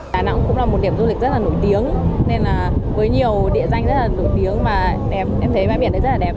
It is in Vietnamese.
đà nẵng cũng là một điểm du lịch rất nổi tiếng với nhiều địa danh rất nổi tiếng và em thấy bãi biển rất đẹp